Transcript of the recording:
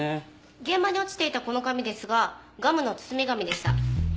現場に落ちていたこの紙ですがガムの包み紙でした。